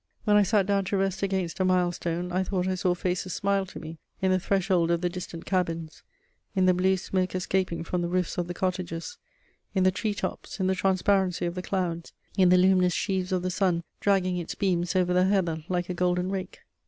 When I sat down to rest against a mile stone, I thought I saw faces smile to me in the threshold of the distant cabins, in the blue smoke escaping from the roofs of the cottages, in the tree tops, in the transparency of the clouds, in the luminous sheaves of the sun dragging its beams over the heather like a golden rake.